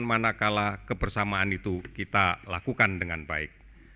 manakala kebersamaan itu kita lakukan dengan baik